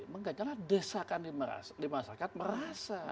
mengganjalnya desakan dimasyarakat merasa